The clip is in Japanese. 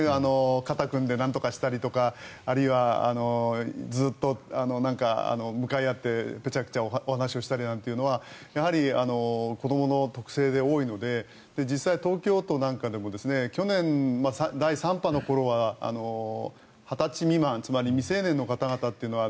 肩組んで、なんとかしたりとかあるいはずっと向かい合ってぺちゃくちゃお話をしたりなんていうのはやはり子どもの特性で多いので実際、東京都なんかでも去年、第３波の頃は２０歳未満つまり未成年の方々というのは